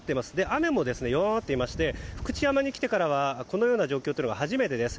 雨も弱まっていまして福知山に来てからはこのような状況というのは初めてです。